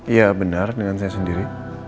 iya benar dengan saya sendiri